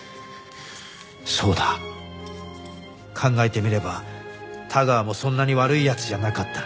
そうだ考えてみれば田川もそんなに悪い奴じゃなかった。